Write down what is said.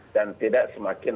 dan tidak semakin